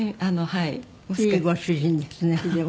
いいご主人ですねでも。